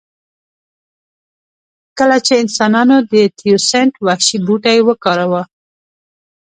کله چې انسانانو د تیوسینټ وحشي بوټی وکاراوه